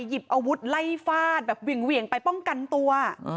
หยิบอาวุธไล่ฟาดแบบเหวี่ยงไปป้องกันตัว